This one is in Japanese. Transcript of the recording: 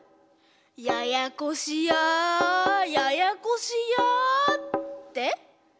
ややこしやややこしやって？